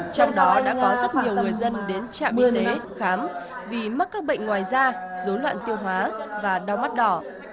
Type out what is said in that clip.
trong đó đã có rất nhiều người dân đến trạm y tế khám vì mắc các bệnh ngoài da dối loạn tiêu hóa và đau mắt đỏ